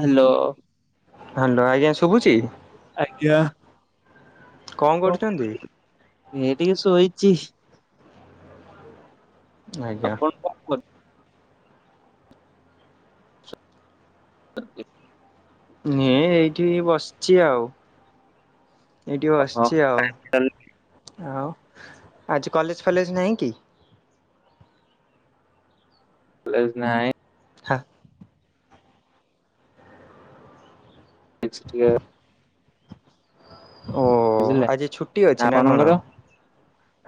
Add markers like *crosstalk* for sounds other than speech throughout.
Hello. Hello ଆଜ୍ଞା ଶୁବୁଚି? ଆଜ୍ଞା। କଣ କରୁଚନ୍ତି? ଏ ଟିକେ ଶୋଇଚି। ଆଜ୍ଞା। ଆପଣ କଣ କରୁ *unintelligible* ନେଁ ଏଇଠି ବସିଚି ଆଉ ଏଇଠି ଓହୋ ବସିଚି ଆଉ। ଆଉ ଆଜି କଲେଜ ଫଲେଜ ନାହିଁ କି? ପ୍ଲେସ ନାଇଁ। ହା। *unintelligible* କିଛି ଟିକିଏ ଓ ବୁଝିଲେ ଆଜି ଛୁଟି ଅଛି ନା କଣ? ଆପଣଙ୍କର?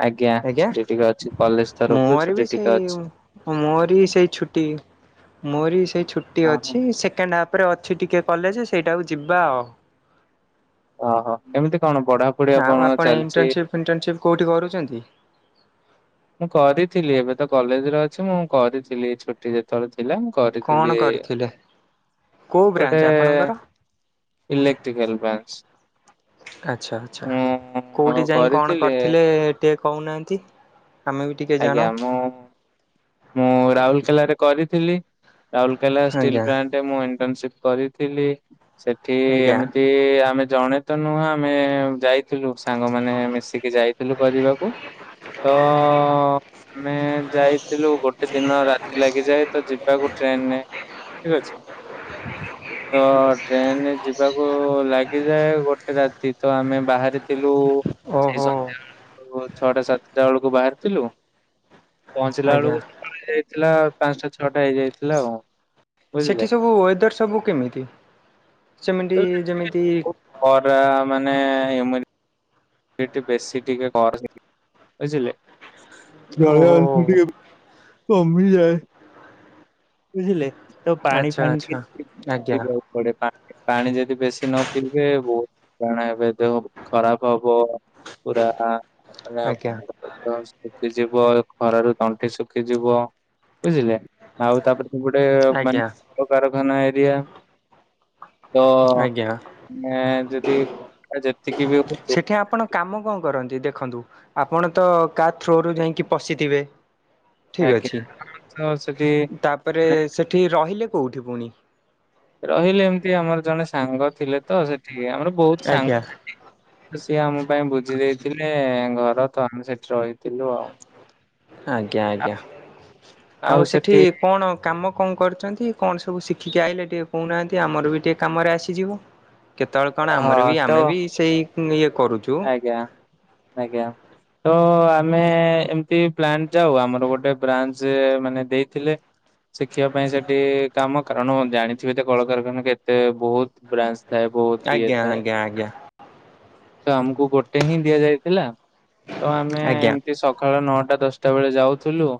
ଆଜ୍ଞା ଛୁଟି ଟିକେ ଅଛି କଲେଜ ତରଫରୁ ଛୁଟି ଟିକେ ଅଛି। ମୋରବି ସେଇ ଛୁଟି ମୋରବି ସେଇ ଛୁଟି ଓହୋ। ଅଛି ସେକେଣ୍ଡ ହାପ ହାପରେ ଅଛି ଟିକେ କଲେଜ ସେଇଟାକୁ ଯିବା ଆଉ। ଓହୋ କେମିତି କଣ ପଢାପଢି ଆପଣଙ୍କର ଚାଲିଚି? ଇଣ୍ଟର୍ଣ୍ନସିପ୍ କେଉଁଠି କରୁଚନ୍ତି? ମୁଁ କରିଥିଲି ଏବେତ କଲେଜରେ ଅଛି ମୁଁ କରିଥିଲି ଛୁଟି ଯେତେଳେ ଥି ଥିଲା ମୁ କଣ କରିଥିଲି। କରିଥିଲେ କୋଉ ଗୋଟେ ବ୍ରାଞ୍ଚ ଆପଣଙ୍କର? ଇଲେକ୍ଟ୍ରିକାଲ ପାଡ଼୍ସ୍। ଆଚ୍ଛା ଆଚ୍ଛା କଉଠି ମୁଁ ଯାଇ କଣ କରିଥିଲି କରିଥିଲେ? ଟିକେ କହୁନାହାନ୍ତି ଆମେବି ଆଜ୍ଞା ମୁଁ ମୁଁ ରାଉରକେଲାରେ କରିଥିଲି। ରାଉରକେଲା ଷ୍ଟିଲ ଆଜ୍ଞା ପ୍ଲାଣ୍ଟେ ମୁଁ ଇଣ୍ଟନସିପ୍ କରିଥିଲି। ସେଠି ଆଜ୍ଞା ଏମିତି ଆମେ ଜଣେ ତ ନୁହଁ। ଆମେ ଯାଇ ଥିଲୁ ସାଙ୍ଗମାନେ ମିଶିକି ଯାଇଥିଲୁ କରିବାକୁ ତ ଆମେ ଯାଇଥିଲୁ ଗୋଟେ ଦିନ ରାତି ଲାଗିଯାଏ ତ ଯିବା କୁ ଟ୍ରେନରେ ଠିକ୍ ଅଛି। *inaudible* ତ ଟ୍ରେନରେ ଯିବାକୁ ଲାଗିଯାଏ ଗୋଟେ ରାତି ତ ଆମେ ବାହାରିଥିଲୁ ଓହୋ। ଦେଖନ୍ତୁ ଛଅଟା ସାତଟା ବେଳକୁ ବାହାରିଥିଲୁ। ପହଞ୍ଚିଲା ଆଜ୍ଞା ବେଳକୁ ପୁରି ଯାଇଥିଲା ପାଞ୍ଚଟା ଛଅଟା ହେଇଯାଇଥିଲା ଆଉ। ବୁଝିଲେ। ସେଠି ସବୁ ୱେଦର ସବୁ କେମିତି ସେମିତି ଯେମିତି ଖରା ମାନେ ଇମୁନି ଏଠି ବେଶୀ ଟିକେ କର ସେ *unintelligible* ବୁଝିଲେ। ଓହୋ ଜଳିୟଅଂଶ ଟିକେ କମି ଯାଏ। ବୁଝିଲେ ତ ପାଣି ଆଚ୍ଛା ଫାଣି ଆଚ୍ଛା ଟିକେ ଆଜ୍ଞା *inaudible* ଗୋଟେ ପା-ପାଣି ଯଦି ବେଶୀ ନ ପିଇଥୀବେ ବୋହୁ କାରଣ ଏବେ ଯୋଉ ଖରାପ ହବ ପୁରା ମାନେ ଆଜ୍ଞା *inaudible* ସୁଖିଯିବ ଖରାରୁ ତଣ୍ଟି ଶୁଖିଯିବ ବୁଝିଲେ। ଆଉ ତାପରେ ସେପଟେ ମାନେ ଆଜ୍ଞା କାରଖାନା ଏରିଆ ତ ଆଜ୍ଞା ମାନେ ଯଦି ଆ ଯେତିକି ବି ହଉ ସେଠି ଆପଣ କାମ କଣ କରନ୍ତି ଦେଖନ୍ତୁ ଆପଣ ତ କା ଥ୍ରୋରୁୁ ଯାଇକି ପଶିଥିବେ। ଠିକ ଆଜ୍ଞା ଅଛି ତ ସେଠି ତାପରେ ସେଠି ରହିଲେ କୋଉଠି ପୁଣି? ରହିଲେ ଏମିତି ଆମର ଜଣେ ସାଙ୍ଗ ଥିଲେ ତ ସେଠିକି ଆମର ବହୁତ ଆଜ୍ଞା ସାଙ୍ଗ। ସିଏ ଆମ ପାଇଁ ବୁଝି ଦେଇେଇଥିଲେ ଘର ତ ଆମେ ସେଠି ରହିଥିଲୁ ଆଉ। ଆଜ୍ଞା ଆ ଆଜ୍ଞା ଆଉ ସେଠି କଣ କାମ କଣ କରୁଛନ୍ତି କଣ ସବୁ ଶିଖିକି ଆଇଲେେ ଟିକେ କହୁନାହାନ୍ତି ଆମର ବି ଟିକେ କାମରେ ଆସିଯିବ। କେତେବେଳେ କଣ ଆମର ହଁ ବି ତ ଆମେ ବି ସେଇ ଇଏ କରୁଛୁ। ଆଜ୍ଞା ଆଜ୍ଞା। ତ ଆମେ ଏମତି ପ୍ଲାଣ୍ଟ ଯାଉ ଆମର ଗୋଟେ ବ୍ରାଞ୍ଚ ମାନେ ଦେଇଥିଲେ। ଶିଖିବା ପାଇଁ ସେଠି କାମ କାରଣ ଜାଣିଥିବି ତ କଳକାରଖାନା କେତେ ବହୁତ ବ୍ରାଞ୍ଚ ଥାଏ ବୋହୁତ ଇଏ ଆଜ୍ଞା ଥାଏ। ଆଜ୍ଞା। ତ ଆମକୁ ଗୋଟେ ହିଁ ଦିଆଯାଇଥିଲା ତ ଆମେ ଆଜ୍ଞା ଏମତି ସ ସକାଳ ନଅଟା ଦଶଟା ବେଳେ ଯାଉଥିଲୁ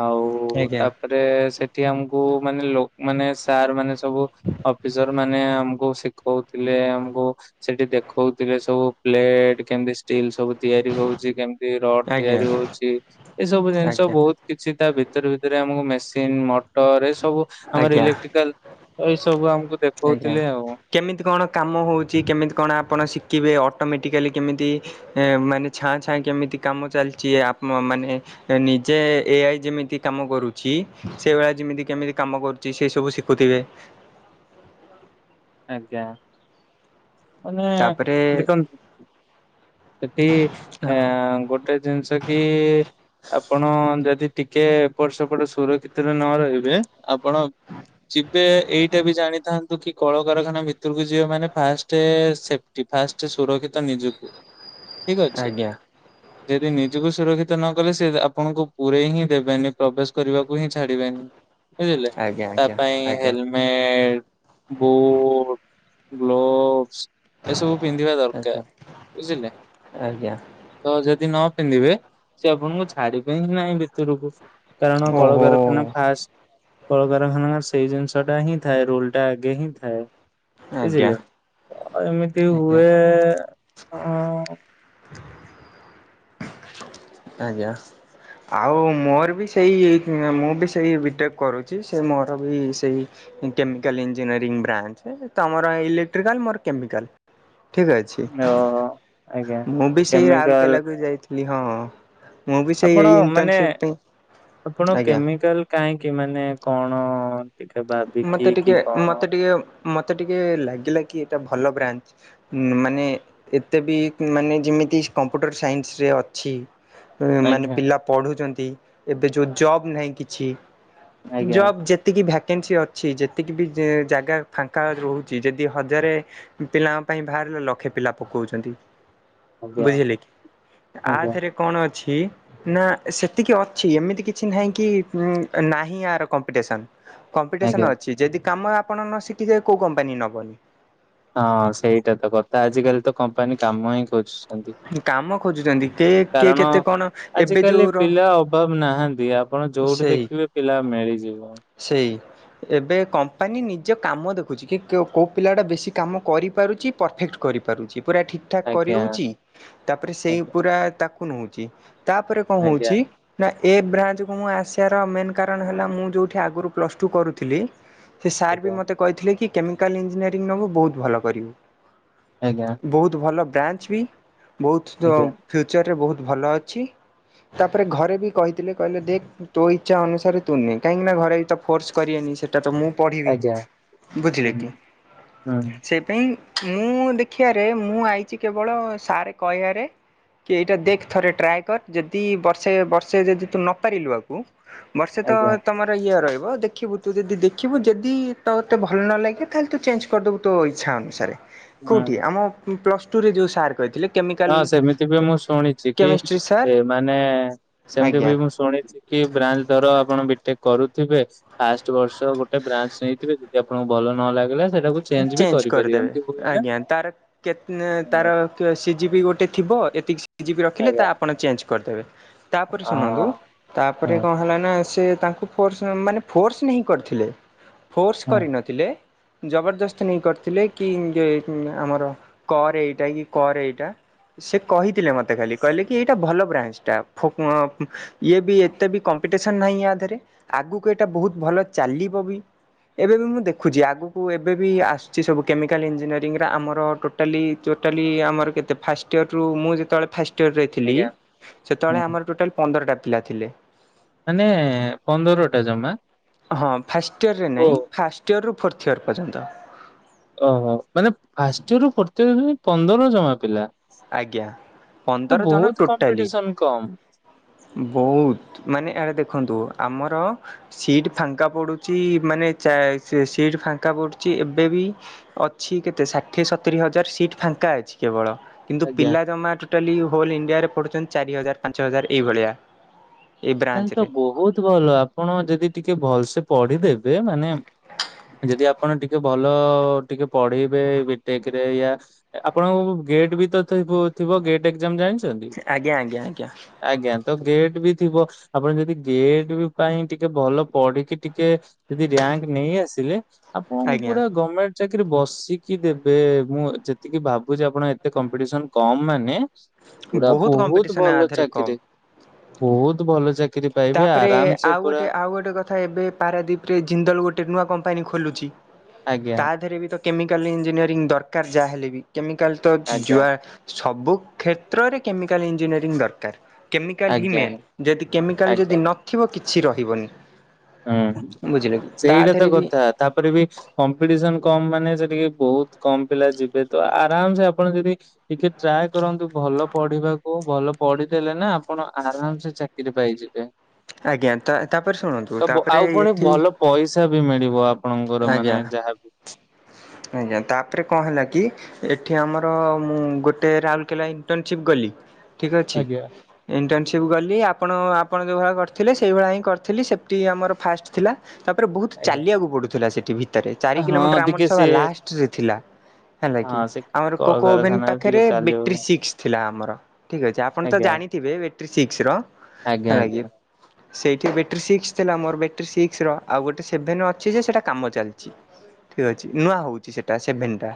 ଆଉ ଆଜ୍ଞା। ତାପରେ ସେଠି ଆମକୁ ମାନେ ଲୋ ମାନେ ସାର୍ ମାନେ ସବୁ ଅଫିସର ମାନେ ଆମକୁ ଶିଖଉଥିଲେ ଆମକୁ ସେଠି ଦେଖଉଥିଲେ ସବୁ ପ୍ଲେଟ କେମତି ଷ୍ଟିଲ୍ ସବୁ ତିଆରି ହଉଛି କେମ ତି ରଡ ଆଜ୍ଞା ତିଆରି ହଉଛି ଏ ସବୁ ଜିନିଷ ଆଜ୍ଞା ବହୁତ କିଛି ତା ଭିତରେ ଭିତରେ ଆମକୁ ମେସିନ୍ ମଟର ଏ ସବୁ ଆମର ଆଜ୍ଞା ଇଲେକ୍ଟ୍ରିକାଲ ଏଇ ସବୁ ଆମକୁ ଆଜ୍ଞା। ଦେଖଉଥିଲେ ଆଉ। କେମିତି କଣ କାମ ହେଉଛି କେମିତି କଣ ଆପଣ ଶିଖିବେ ଅଟୋମେଟିକାଲି କେମିତି ଏ ମାନେ ଛାଁ ଛାଁ କେମିତି କାମ ଚାଲିଛି ଆପ ମାନେ ନିଜେ ଏ ଆଇ ଯେମିତି କାମ କରୁଛି ସେଇଭଳିଆ ଯେମିତି କେମିତି କାମ କରୁଛି ସେ ସବୁ ଶିଖୁଥିବେ। ଆଜ୍ଞା ମାନେ ତାପରେ ଦେଖନ୍ତୁ ସେଠି ଆ ହଁ ଗୋଟେ ଜିନିଷ କି ଆପଣ ଯଦି ଟିକେ ଏପଟ ସେପଟ ସୁରକ୍ଷିତରେ ନ ରହିବେ ଆପଣ ଯିବେ ଏଇଟା ବି ଜାଣିଥାନ୍ତୁ କି କଳକାରଖାନା ଭିତରକୁ ଯିବ ମାନେ ଫାଷ୍ଟ ସେଫ୍ଟି ଫାଷ୍ଟ ସୁରକ୍ଷିତ ନିଜକୁ। ହ ଠିକ ଅଛି। ଯଦି ନିଜକୁ ସୁରକ୍ଷିତ ନ କଲେ ସେ ଆପଣଙ୍କୁ ପୁରରେଇ ହିଁ ଦେବେନି ପ୍ରବେଶ କରିବାକୁ ହିଁ ଛାଡିବେନି। ବୁଝିଲେ ଆଜ୍ଞା ତା ଆଜ୍ଞା ପାଇଁ ଆଜ୍ଞା ହେଲମେଟ ବୋଟ ଗ୍ଲୋଭସ ଏସବୁ ପିନ୍ଧିବା ଆଜ୍ଞା। ଦରକାର ବୁଝିଲେ। ଆଜ୍ଞା ତ ଯଦି ନ ପିନ୍ଧିବେ ସେ ଆପଣଙ୍କୁ ଛାଡିବେ ହିଁ ନାହିଁ ଭିତରକୁ। କାରଣ ଓହୋ କଳକାରଖାନା ଫାଷ୍ଟ କଳକାରଖାନା ସେଇ ଜିନିଷଟା ହିଁ ଥାଏ ରୋଲ ଟା ଆଗେ ହିଁ ଥାଏ ଆଜ୍ଞା। ବୁଝିଲେ। ଏମିତି ଆଜ୍ଞା। ହୁଏ ହଁ ଆଜ୍ଞା। ଆଉ ମୋର ବି ସେଇ ମୁଁ ବି ସେଇ ବିଟେକ୍ କରୁଛି ସେ ମୋର ବି ସେଇ କେମିକାଲ ଇଞ୍ଜିନିୟରିଂ ବ୍ରାଞ୍ଚ ତମର ଇଲେକ୍ଟ୍ରିକାଲ ମୋର କେମିକାଲ। ଠିକ ଅଛି ଆଜ୍ଞା। ମୁଁ ବି ସେଇ କେମିକାଲ ରାହୁଲକେଲାକୁ ବି ଯାଇଥିଲି ହଁ। ମୁଁ ବି ସେଇ ଆପଣ ଏଇ ମାନେ ଇଣ୍ଟର୍ନସିପ୍ ପାଇଁ ଆପଣ ଆଜ୍ଞା। କେମିକାଲ କାହିଁକି ମାନେ କଣ ଟିକେ ଭାବିକି ମତେ କି ଟିକେ କଣ ମତେ ଟିକେ ମତେ ଟିକେ ଲାଗିଲା କି ଏଟା ଭଲ ବ୍ରାଞ୍ଚ। ମାନେ ଏତେ ବି ମାନେ ଯେମିତି କମ୍ପ୍ୟୁଟର ସାଇନ୍ସରେ ଅଛି ମାନେ ଆଜ୍ଞା ପିଲା ପଢୁଛନ୍ତି, ଏବେ ଯୋଉ ଜବ ନାହିଁ କିଛି। ଆଜ୍ଞା ଜବ୍ ଯେତିକି ଭ୍ୟାକ୍ ଭେକେନ୍ସି ଅଛି। ଯେତିକି ବି ଜାଗା ଫାଙ୍କା ରହୁଛି, ଯଦି ହଜାରେ ପିଲାଙ୍କ ପାଇଁ ବାହାରିଲେ, ଲକ୍ଷେ ପିଲା ପକଉଚନ୍ତି। ଆଜ୍ଞା ବୁଝିଲେ କି, ଆଜ୍ଞା। ଆଥେରେ କଣ ଅଛି ନା ସେତିକି ଅଛି, ଏମିତି କିଛି ନାହିଁ କି ନାହିଁ ଆର କମ୍ପିଟେସନ। ଆଜ୍ଞା କମ୍ପିଟେସନ ଅଛି, ଯଦି କାମ ଆପଣ ନ ଶିଖି *unintelligible* କୋଉ କମ୍ପାନୀ ନବନି। ହଁ ସେଇଟା ତ କଥା, ଆଜିିକାଲି ତ କମ୍ପାନୀ କାମ ହିଁ କରୁଛି। କାମ ଖୋଜୁଛନ୍ତି, କେ -କେ -କେତେ କଣ ଏବେ ଯୋଉର ସମ୍ଭବ ନାହାନ୍ତି, ଆପଣ ଯୋଉଠି ଦେଖିବେ ପିଲା ମିଳିଯିବ। ସେଇ ଏବେ କମ୍ପାନୀ ନିଜ କାମ ଦେଖୁଛି, କି କୋଉ ପିଲାଟା ବେଶୀ କାମ କରିପାରୁଚି? ପରଫେକ୍ଟ କରିପାରୁଚି, ପୁରା ଠିକ୍। ଠାକ୍ ଆଜ୍ଞା କରିହଉଛି, ତାପରେ ସେଇ ପୁରା ତାକୁ ନଉଛି। ତାପରେ କଣ ଆଜ୍ଞା ହଉଛି ନା ଏ ବ୍ରାଞ୍ଚକୁ ମୁଁ ଆସିବାର ମେନ୍ କାରଣ ହେଲା, ମୁଁ ଯୋଉଠି ଆଗରୁ ପ୍ଲସ ଟୁ କରୁଥିଲି ସେ ସାର୍ ବି ଆଜ୍ଞା ମୋତେ କହିଥିଲେ କି, କେମିକାଲ ଇଞ୍ଜିନିୟରିଂ ନବୁ ବହୁତ ଭଲ କରିବୁ। ଆଜ୍ଞା। ବହୁତ ଭଲ ବ୍ରାଞ୍ଚ ବି, ବହୁତ ଆଜ୍ଞା ଆଜ୍ଞା। ଫ୍ୟୁଚର୍ ରେ ବହୁତ ଭଲ ଅଛି, ତାପରେ ଘରେ ବି କହିଥିଲେ କହିଲେ ଦେଖ ତୋ ଇଚ୍ଛା ଅନୁସାରେ ତୁ ନେ। କାହିଁକି ନା ଘରେ ବି ତ ଫୋର୍ସ କରିବେନି ସେଟା ତ ମୁଁ ପଢ଼ିବି, ଆଜ୍ଞା ହୁଁ ବୁଝିଲେ କି ହୁଁ ସେ କାଇଁ ମୁଁ ଦେଖିବାରେ, ମୁଁ ଆଇଛି କେବଳ ସାର୍ କହିଆରେ। କି ଏଇଟା ଦେଖ ଥରେ ଟ୍ରାଏ କର, ଯଦି ବର୍ଷେ ବର୍ଷେ ଯଦି ତୁ ନ ପାରିଲୁ ଆକୁ, ବର୍ଷେ ତ ଆଜ୍ଞା ତମର ଇଏ ରହିବ ଦେ ଖିବୁ ତୁ ଯଦି ଦେଖିବୁ ଯଦି ତତେ ଭଲ ନ ଲାଗେ, ତାହେଲେ ତୁ ଚେଞ୍ଜ କରିଦବୁ ତୋ ଇଚ୍ଛା ଅନୁସାରେ। କୋଉଠି, ହୁଁ ଆମ ପ୍ଲସ ଟୁ ରେ ଯୋଉ ସାର୍ କହିଥିଲେ। କେମିକାଲ ହଁ ସେମିତି ବି ମୁଁ ଶୁଣିଛି, କି କେମିଷ୍ଟ୍ରି ସାର୍ ମାନେ ସେମିତି ଆଜ୍ଞା ବି ମୁଁ ଶୁ ଶୁଣିଛି କି ବ୍ରାଞ୍ଚ ଧର, ଆପଣ ବି ଟେକ୍ କରୁଥିବେ ଫାଷ୍ଟ ବର୍ଷ ଗୋଟେ ବ୍ରାଞ୍ଚ ନେଇଥିବେ, ଯଦି ଆପଣଙ୍କୁ ଭଲ ନ ଲାଗିଲା ସେଟାକୁ ବି ଚେଞ୍ଜ କରିପାରିବେ କରିଦେବେ, ଏମିତି ହୁଏ ନା? ଆଜ୍ଞା ତାର କେ ହଁ ତାର ସି ଜି ପି ଗୋଟେ ଥିବ, ଏତିକି ସି ଜି ପି ରଖିଲେ ଆଜ୍ଞା ତ ଆପଣ ଚେଞ୍ଜ କରିଦେବେ। ତାପରେ ଶୁଣନ୍ତୁ, ହଁ ହଁ ତାପରେ କଣ ହେଲା ନା ସେ ତାଙ୍କୁ ଫୋର୍ସ ମାନେ ଫୋର୍ସ ନାହିଁ କରିଥିଲେ। ଫୋର୍ସ ହଁ କରିନଥିଲେ ଜବରଦସ୍ତ ନେଇ କରିଥିଲେ, କି ଯେ ଆମର କର ଏଇଟା କି କର ଏଇଟା। ସେ କହିଥିଲେ ମତେ ଖାଲି, କହିଲେ କି ଏଇଟା ଭଲ ବ୍ରାଞ୍ଚଟା ଫୋ ଇଏ ବି ଏତେ ବି କମ୍ପିଟେସନ ନାହିଁ ୟା ଦେହରେ, ଆଗକୁ ଏଇଟା ବହୁତ ଭଲ ଚାଲିବ ବି। ଏବେ ବି ମୁଁ ଦେଖୁଛି, ଆଗୁ କୁ ଏବେ ବି ଆସୁଛି ସବୁ କେମିକାଲ୍ ଇଞ୍ଜିନିୟରିଂରେ, ଆମର ଟୋଟାଲି ଟୋଟାଲି ଆମର କେତେ ଫାଷ୍ଟ ୟର୍ ରୁ ମୁଁ ଯେତେବେଳେ ଫାଷ୍ଟ ଇଅର୍ ରେ ଥିଲି, ଆଜ୍ଞା। ସେତେବେଳେ ହୁଁ ଆମର ଟୋଟାଲ୍ ପନ୍ଦରଟା ପିଲା ଥିଲେ। ମାନେ ପନ୍ଦରଟା ଜମା ହଁ ଫାଷ୍ଟ ଇଅର୍ ରେ କୋ ନାଇଁ, ଫାଷ୍ଟ ଇଅର୍ ରୁ ଫୋର୍ଥ ଇଅର୍ ପର୍ଯ୍ୟନ୍ତ। ମାନେ ଫାଷ୍ଟ ଇଅର୍ ରୁ ଫୋର୍ଥ ଇଅର୍ ହଉଚନ୍ତି ପନ୍ଦର ଜମା ପିଲା। ଆଜ୍ଞା ପନ୍ଦର ତ ଜଣ ବହୁତ ଟୋଟାଲି କମ୍ପିଟେସନ କମ୍। ବହୁତ, ମାନେ ଆଡ଼େ ଦେଖନ୍ତୁ ଆମର ସିଟ୍ ଫାଙ୍କା ପଡ଼ୁଛି, ମାନେ ଚା ସି -ସିଟ୍ ଫାଙ୍କା ପଡୁଛି ଏବେ ବି। ଅଛି କେତେ, ଷାଠିଏ ସତୁରି ହଜାର ସିଟ୍ ଫାଙ୍କା ଅଛି କେବଳ। କିନ୍ତୁ ଆଜ୍ଞା। ପିଲା ଜମା ଟୋଟାଲି ହୋଲ୍ ଇଣ୍ଡିଆରେ ପଢ଼ୁଛନ୍ତି, ଚାରି ହଜାର ପାଞ୍ଚ ହଜାର ଏଇଭଳିଆ। ଏଇ ତାହେଲେ ତ ବ୍ରାଞ୍ଚରେ ବହୁତ ଭଲ, ଆପଣ ଯଦି ଟିକେ ଭଲସେ ପଢିଦେବେ ମାନେ ଯଦି ଆପଣ ଟିକେ ଭଲ ଟିକେ ପଢେଇବେ ବିଟେକ ରେ ୟା ଆପଣଙ୍କ ଗେଟ୍ ବି ତ ଥ ଥିବ ଗେଟ୍ ଏକ୍ଜାମ ଜାଣି ଆଜ୍ଞା ଆଜ୍ଞା ଆଜ୍ଞା ଆଜ୍ଞା ତ ଗେଟ ବି ଥିବ ଆପଣ ଯଦି ଗେଟ୍ ପାଇଁ ଟିକେ ଭଲ ପଢିକି ଟିକେ ଯଦି ରିର୍ୟାଙ୍କ ନେଇ ଆସିଲେ ଆପଣ ଆଜ୍ଞା ପୁରା ଗମେଣ୍ଟ ଚାକିରି ବସିକି ଦେବେ ମୁଁ ଯେତିକି ଭାବୁଛି ଆପଣ ଏତେ କମ୍ପିଟିସନ କମ ମାନେ ପୁରା ବହୁତ କମ୍ପିଟିସନ୍ ଆ ଭଲ ଦେହରେ କମ୍ ଚାକିରି ବହୁତ ଭଲ। ରି ପାଇବେ ତାପରେ ଆରାମ ସେ ଆଉ ପୁରା ଗୋଟେ ଆଉ ଗୋଟେ କଥା ଏବେ ପାରାଦୀପରେ ଜିନ୍ଦଲ ଗୋଟେ ନୂଆ କମ୍ପାନୀ ଖୋଲୁଛି ଆଜ୍ଞା ତା ଦେହରେ ବି କେମିକାଲ ଇଞ୍ଜିନିୟରିଂ ଦରକାର ଯାହାହେଲେ ବି କେମିକାଲ ତ ଆଜ୍ଞା ଯୁଆ ସବୁ କ୍ଷେତ୍ରରେ କେମିକାଲ ଇଞ୍ଜିନିୟରିଂ ଦରକାର କେମିକାଲ ଆଜ୍ଞା ହିମେନ୍ ଯଦି କେମିକାଲ ଯଦି ଆଜ୍ଞା ଥିବ କିଛି ରହିବନି। ହଁ ବୁଝିଲେ କି ତା ସେଇଟା ତ ଦେହରେ ବି କଥା ତାପରେ ବି କମ୍ପିଡିସନ କମ ମାନେ ସେଠିକି ବହୁତ କମ ପିଲା ଯିବେ ତ ଆରାମ ସେ ଆପଣ ଯଦି ଟିକେ ଟ୍ରାଏ କରନ୍ତୁ ଭଲ ପଢିବାକୁ ଭଲ ପଢିଦେଲେ ନା ଆପଣ ଆରାମ ସେ ଚାକିରି ପାଇଯିବେ। ଆଜ୍ଞା ତ ତାପରେ ଶୁଣନ୍ତୁ ତ ତାପରେ ଆଉ ପୁଣି ଏଠି ଭଲ ପଇସା ବି ମିଳିବ ଆପଣଙ୍କର ଆଜ୍ଞା ମାନେ ଯାହାବି। ଆଜ୍ଞା ତାପରେ କଣ ହେଲା କି ଏଠି ଆମର ମୁଁ ଗୋଟେ ରାଉରକେଲା ଇଣ୍ଟର୍ନସିପ ଗଲି ଠିକ୍ ଅଛି ଆଜ୍ଞା ଇଣ୍ଟର୍ନସିପ୍ ଗଲି ଆପଣ ଆପଣ ଯେଉଁ ଭଳି କରି ଥିଲେ ସେଇଭଳିଆ ହିଁ କରିଥିଲି ସେଫ୍ଟି ଆମ ଫାଷ୍ଟ ଥିଲା ତାପରେ ବହୁତ ଆଜ୍ଞା। ଚାଲିବାକୁ ପଡ଼ୁଥିଲା ସେଠଟି ଭିତରେ ଭିତରେ ଚାରି ହଁ କିଲୋମିଟର ଟିକେ ଆମର ସେ ସଭା ଲାଷ୍ଟ ରେ ଥିଲା। ହେଲା କି ହଁ ସେ ଆମର କୋକୋ ଓଭେନ କଳକାରଖାନାରେ ଟିକେ ପାଖରେ ବଟେରୀ ଚାଲିବ ସିକ୍ସ ଥିଲା ଆମର ଠିକ୍ ଅଛି ଆପଣ ତ ଆଜ୍ଞା ଜାଣିଥିବେ ବ୍ୟାଟ୍ରି ସିକ୍ସର ଆଜ୍ଞା ହେଲା କି ଆଜ୍ଞା ସେଇଠି ବ୍ୟାଟେରୀ ସିକ୍ସ ଥିଲା ମୋର ବଟରୀ ସିକ୍ସ ର ଆଉ ଗୋଟେ ସେଭେନ ଅଛି ଯେ ସେଇଟା କାମ ଚାଲିଛି। ଠିକ ଅଛି ନୂଆ ହଉଛି ସେଟା ସେଭେନ ଟା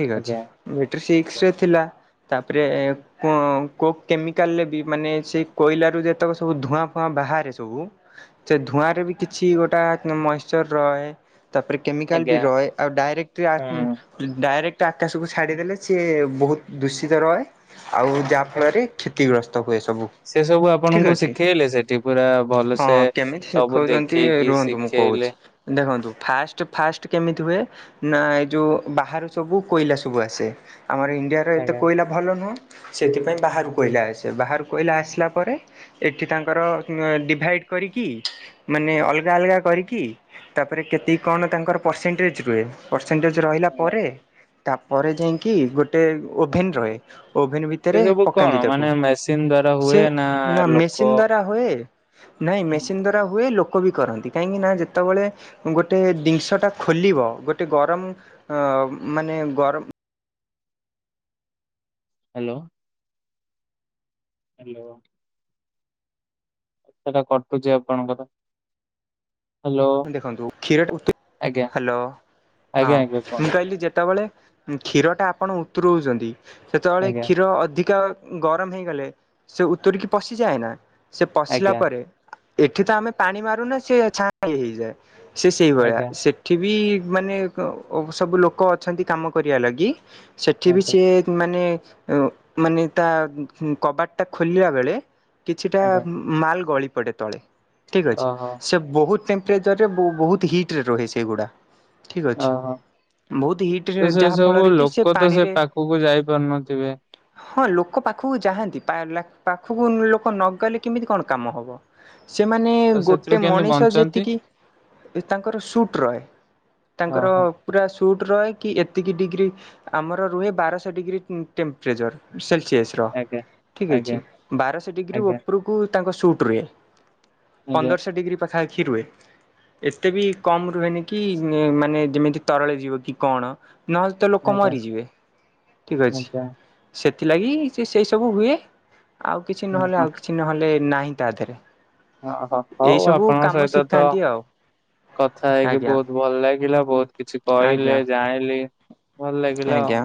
ଠିକ ଅଛି ଆଜ୍ଞା ବେଟରୀ ସିକ୍ସ ରେ ଥିଲା ତାପରେ ହୁଁ କ କୋଉ କେମିକାଲ ରେ ବି ମାନେ ସେଇ କୋଇଲା ର ଯେତେକ ସବୁ ଧୂଆଁ ଫୁଆଁ ବାହାରେ ସବୁ ସେ ଧୂଆଁ ରେ ବି କିଛି ଗୋଟା ମଇଶ୍ଚର ରହେ ତାପରେ କେମିକାଲ ବି ରହେ ଆଉ ଡାଇରେକ୍ଟ ଡାଇରେକ୍ଟ ଆକାଶକୁ ଛାଡ଼ିଦେଲେ ସିଏ ବହୁତ ଦୂଷିତ ରହେ ଆଉ ଆଜ୍ଞା। ଯାହାଫଳରେ କ୍ଷତିଗ୍ରସ୍ତ ହୁଏ ସବୁ। ସେ ସବୁ ଠିକ୍ ଆପଣଙ୍କୁ ଅଛି। ଶିଖେଇଲେ ସେଠି ସେଠି ପୁରା ହଁ ଭଲସେ କେମିତି ସବୁ ଶିଖଉଛନ୍ତି ଦେଖେଇକି ରୁହନ୍ତୁ ମୁଁ କହୁଛି। ଶିଖେଇଲେ ଦେଖନ୍ତୁ ଫାଷ୍ଟ ଫାଷ୍ଟ କେମିତି ହୁଏ ନା ଏଇ ଯୋଉ ବାହାରୁ ସବୁ କୋଇଲା ସବୁ ଆସେ ଆମର ଇଣ୍ଡିଆ ଏତେ ଆଜ୍ଞା। କୋଇଲା ଭଲ ନୁହେଁ ସେଥିପାଇଁ ବାହାରୁ କୋଇଲା ଆସେ ବାହାରୁ କୋଇଲା ଆସିଲା ପରେ ଏଠି ତାଙ୍କର ଡିଭାଇଡ଼ କରିକି ମାନେ ଅଲଗା ଅଲଗା କରିକି ତାପରେ କେତିକ କଣ ତାଙ୍କର ପରସେଣ୍ଟେଜ ରୁହେ ପରସେଣ୍ଟେଜ ରହିଲା ପରେ ତାପରେ ଯାଇକି ଗୋଟେ ଓଭେନ ରହେ ଓଭେନ ସେ ଭିତରେ ସବୁ କଣ ପକାନ୍ତି ତାକୁ ମାନେ ମେସିନ ଦ୍ଵାରା ସେ ହୁଏ ନା ଲୋକ ନଁ ମେସିନ ଦ୍ଵାରା ହୁଏ ଲୋକ ବି କରନ୍ତି କାହିଁକି ନା ଯେତେବେଳେ ଗୋଟେ ଜିନିଷ ଟା ଖୋଲିବ ଗୋଟେ ଗରମ ଅ ମାନେ ଗରମ ହ୍ୟାଲୋ ହ୍ୟାଲୋ ସେଟା କଟୁଛି ଆପଣଙ୍କର ହ୍ୟାଲୋ ଦେଖନ୍ତୁ କ୍ଷୀର ଆଜ୍ଞା ହ୍ୟାଲୋ ହଁ ଆଜ୍ଞା ଆଜ୍ଞା କୁହ ମୁଁ କହିଲି ଯେତେବେଳେ କ୍ଷୀର ଟା ଆପଣ ଉତରଉଛନ୍ତି ସେତେବେଳେ ଆଜ୍ଞା କ୍ଷୀର ଅଧିକା ଗରମ ହେଇଗଲେ ସେ ଉତୁରିକି ପଶିଯାଏନା ସେ ପଶିଲା ଆଜ୍ଞା ପରେ ଏଠି ତ ଆମେ ପାଣି ମାରୁନା ସେ ଛାଣି ହେଇଯାଏ ସେ ସେଇଭଳିଆ ଆଜ୍ଞା ସେ ସେଠି ବି ମାନେ ସବୁ ଲୋକ ଅଛନ୍ତି କାମ କରିବା ଲାଗି। ସେଠି ବି ଆଜ୍ଞା ସିଏ ମାନେ ମାନେ ତା କବାଟ ଟା ଖୋଲିଲା ବେଳେ କିଛିଟା ଆଜ୍ଞା ମାଲ ଗଳି ପଡେ ତଳେ ଠିକ ଅଛି ଓହୋ ସେ ବହୁତ ଟେମ୍ପରେଚରରେ ବହୁତ ହିଟ୍ ରେ ରହେ ସେଗୁଡ଼ା। ଠିକ୍ ଅଛି ଓହୋ ବହୁତ ହିଟରେ ତ ସେ ଯାହା ସବୁ ଫଳରେ କି ଲୋକ ତ ସେ ପାଣିରେ ପାଖକୁ ଯାଇପାରୁନଥିବେ? ହଁ ଲୋକ ପାଖକୁ ଯାଆନ୍ତି ପାଖକୁ ଲୋକ ନଗଲେ କେମିତି କଣ କାମ ହବ? ସେମାନେ ତ ଗୋଟେ ସେଥିରୁ କେମିତି ମଣିଷ ଯେ ବଞ୍ଚନ୍ତି ତିକି ତାଙ୍କର ସୁଟ୍ ରହେ ତାଙ୍କର ଓହୋ ପୁରା ସୁଟ୍ ରହେ କି ଏତିକି ଡିଗ୍ରୀ ଆମର ରୁହେ ବାରଶହ ଡିଗ୍ରୀ ଟେମ୍ପରେଚର ସେଲସିଅସ୍। ଆଜ୍ଞା ଠିକ ଆଜ୍ଞା ଅଛି ବାରଶହ ଡିଗ୍ରୀ ଆଜ୍ଞା ଉପରକୁ ତାଙ୍କ ସୁଟ ରୁହେ। ଆଜ୍ଞା ଆଜ୍ଞା ପନ୍ଦରଶହ ଡିଗ୍ରୀ ପାଖାପଖି ରୁହେ। ଏତେ ବି କମ ରୁହେନି କି ମାନେ ଯେମିତି ତରଳି ଯିବ କି କଣ ନହେଲେ ତ ଲୋକ ଆଜ୍ଞା ମରିଯିବେ ଠିକ ଅଛି ସେଥିଲାଗି ସେ ସେଇ ସବୁ ହୁଏ। ଆଉ କିଛି ଆଜ୍ଞା ନହେଲେ ହଁ ଆଉ କିଛି ନହେଲେ ନାହିଁ ତା ଧେରେ। ଓହୋ ହଉ ଆପଣଙ୍କ ସହିତ ତ ଶିଖାନ୍ତି ଆଉ। କଥା ହେଇକି ଆଜ୍ଞା ବହୁତ ଭଲ ଲାଗିଲା ବହୁତ କିଛି ଆଜ୍ଞା କହିଲେ ଜାଣିଲି। ଭଲ ଲାଗିଲା ଆଜ୍ଞା। ଆଉ।